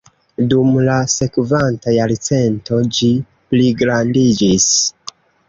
Dum la sekvanta jarcento ĝi pligrandiĝis.